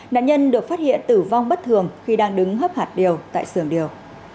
nạn nhân được phát hiện tử vong bất thường khi đang đứng hấp hạt điều tại sưởng điều